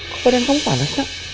kok pada yang kamu panas ya